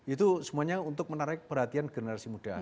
itu semuanya untuk menarik perhatian generasi muda